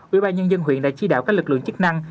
ubnd huyện đã chỉ đạo các lực lượng chức năng